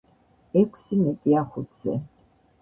ექვსი მეტია ხუთზე.